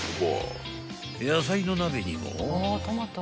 ［野菜の鍋にも］